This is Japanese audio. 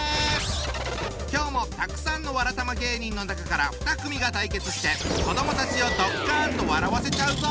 今日もたくさんのわらたま芸人の中から２組が対決して子どもたちをドッカンと笑わせちゃうぞ！